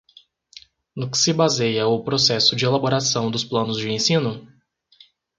No que se baseia o processo de elaboração dos planos de ensino?